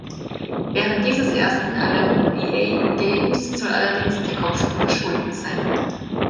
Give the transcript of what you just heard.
Während dieses ersten aller Ba’Games soll allerdings der Kopf verschwunden sein.